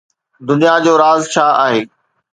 دنيا جو راز ڇا آهي؟